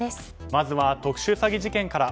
まずは特殊詐欺事件から。